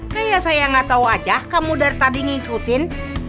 kayak saya nggak tahu aja kamu dari tadi ngikutin